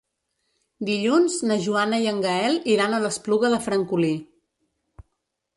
Dilluns na Joana i en Gaël iran a l'Espluga de Francolí.